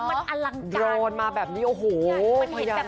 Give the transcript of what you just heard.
มันอลังการโดรนมาแบบนี้โอ้โห